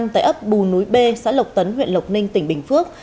tại ấp bù núi b xã lộc tấn huyện lộc ninh tỉnh bình phước